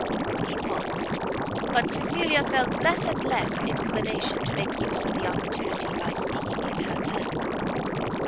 He paused; but Cecilia felt less and less inclination to make use of the opportunity by speaking in her turn.